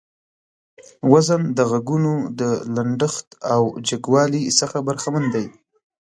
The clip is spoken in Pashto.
وزن د غږونو د لنډښت او جګوالي څخه برخمن دى.